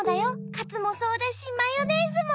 カツもそうだしマヨネーズも。